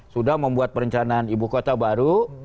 sudah membuat perencanaan ibu kota baru